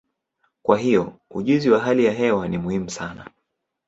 Kwa hiyo, ujuzi wa hali ya hewa ni muhimu sana.